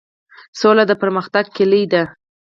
سوله د پرمختګ کیلي ده؟